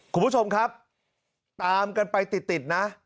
คุณผู้ชมครับตามกันไปติดนะ